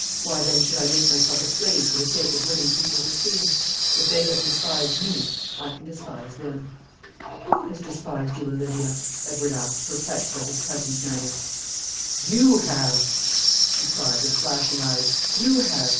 Why, then, should I make myself a slave for the sake of winning people's esteem? If they have despised me, I can despise them." "Who has despised you, Olivia?" Edward asked, perplexed by his cousin's manner. "YOU HAVE!" she cried, with flashing eyes; "you have!